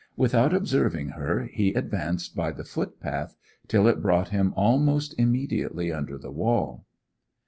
Without observing her, he advanced by the footpath till it brought him almost immediately under the wall.